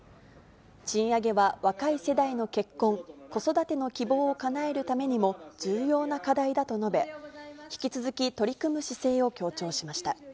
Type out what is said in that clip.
賃上げは若い世代の結婚、子育ての希望をかなえるためにも重要な課題だと述べ、引き続き取り組む姿勢を強調しました。